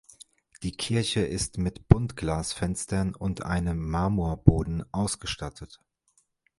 Die Kirche ist mit Buntglasfenstern und einem Marmorboden ausgestattet.